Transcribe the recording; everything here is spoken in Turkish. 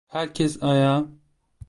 Herkes ayağa!